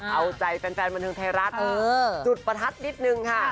เอาใจแฟนบันเทิงไทยรัฐจุดประทัดนิดนึงค่ะ